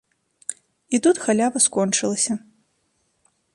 І тут халява скончылася.